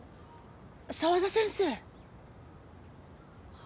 沢田先生。